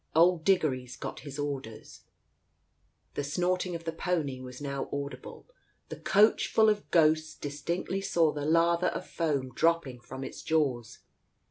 Old Diggory's got his orders." The snorting of the pony was now audible. The coach* ful of ghosts distinctly saw the lather of foam dropping from its jaws.